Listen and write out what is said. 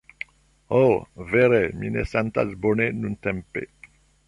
Oh... vere mi ne sentas bone nuntempe!